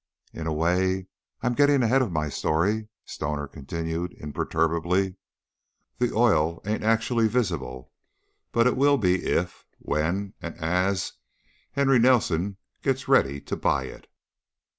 "In a way, I'm getting ahead of my story," Stoner continued, imperturbably. "The oil ain't actually visible, but it will be if, when, and as, Henry Nelson gets ready to buy it."